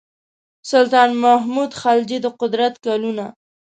سلطان محمود خلجي د قدرت کلونه.